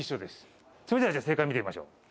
それでは正解見てみましょう。